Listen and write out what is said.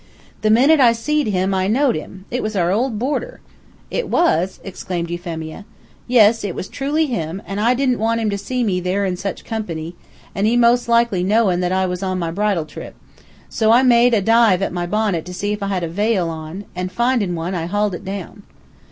The minute I seed him I knowed him. It was our old boarder!" "It was?" exclaimed Euphemia. "Yes it was truly him, an' I didn't want him to see me there in such company, an' he most likely knowin' I was on my bridal trip, an' so I made a dive at my bonnet to see if I had a vail on; an' findin' one, I hauled it down.